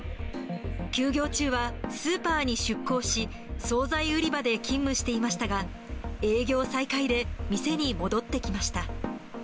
休業中はスーパーに出向し、総菜売り場で勤務していましたが、営業再開で店に戻ってきました。